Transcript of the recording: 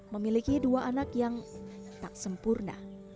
memiliki dua anak yang tak sempurna